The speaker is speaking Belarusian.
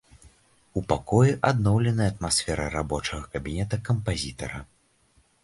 У пакоі адноўленая атмасфера рабочага кабінета кампазітара.